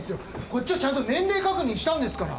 こっちはちゃんと年齢確認したんですから。